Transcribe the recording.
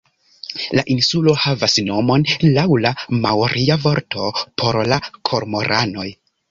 La insulo havas nomon laŭ la maoria vorto por la kormoranoj.